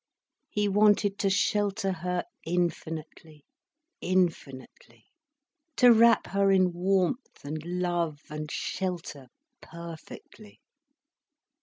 He wanted to shelter her infinitely, infinitely, to wrap her in warmth and love and shelter, perfectly.